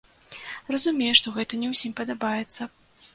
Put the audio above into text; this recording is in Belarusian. Разумею, што гэта не ўсім падабаецца.